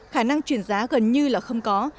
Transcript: khả năng chuyển giá gần như là không có